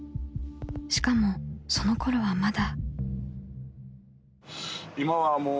［しかもそのころはまだ］